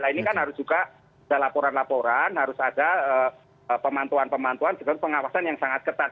nah ini kan harus juga ada laporan laporan harus ada pemantuan pemantuan pengawasan yang sangat ketat